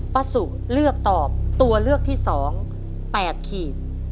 สุเลือกตอบตัวเลือกที่๒๘ขีด